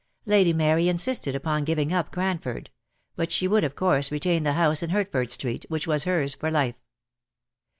Lady Mary insisted upon giving up Cranford; but she would of course retain the house in Hertford Street, which was hers for life.